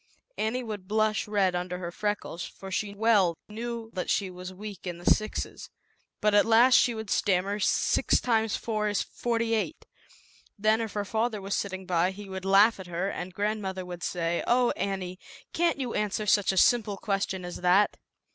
Annie would blush red under her freckles, for she well knew that she was weak in the sixes, but at ^<?v! ZAUBERLINDA, THE WISE WITCH. e would stammer, "six times four is forty eight." Then if her father was sitting by, he would laugh at her and grandmother would say, "Oh, Annie, an't you answer such a simple question s that